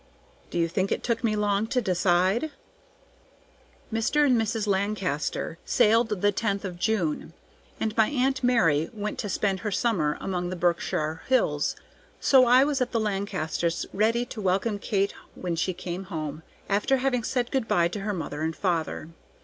Do you think it took me long to decide? Mr. and Mrs. Lancaster sailed the 10th of June, and my Aunt Mary went to spend her summer among the Berkshire Hills, so I was at the Lancasters' ready to welcome Kate when she came home, after having said good by to her father and mother.